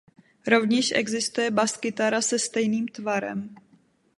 Rovněž existuje baskytara se stejným tvarem.